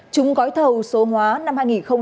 chúng gói thầu số hóa năm hai nghìn một mươi năm